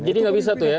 jadi nggak bisa tuh ya